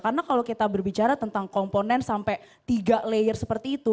karena kalau kita berbicara tentang komponen sampai tiga layer seperti itu